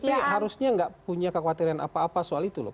tapi harusnya nggak punya kekhawatiran apa apa soal itu loh